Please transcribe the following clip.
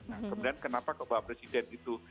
nah kemudian kenapa pak presiden itu